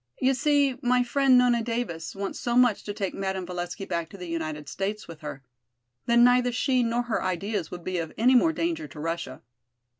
"You see, my friend, Nona Davis, wants so much to take Madame Valesky back to the United States with her. Then neither she nor her ideas would be of any more danger to Russia.